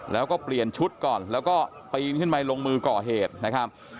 แล้วก็เปลี่ยนชุดก่อนแล้วก็ปีนขึ้นไปลงมือก่อเหตุนะครับ